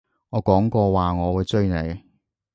我講過話我會追你